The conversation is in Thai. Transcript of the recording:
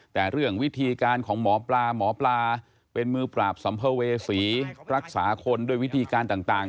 แต่เรื่องวิธีการของหมอปลาหมอปลาเป็นมือปราบสัมภเวษีรักษาคนด้วยวิธีการต่าง